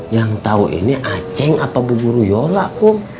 yang tau ini aceh apa bu guru yola kum